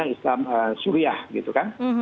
islam suriah gitu kan